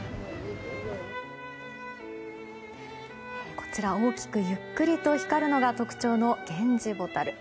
こちら、大きくゆっくり光るのが特徴のゲンジボタル。